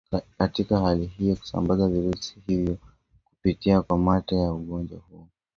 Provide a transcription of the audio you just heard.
katika hali hiyo kusambaza virusi hivyo kupitia kwa mate yake Ugonjwa huu